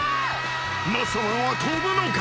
［マッサマンはとぶのか？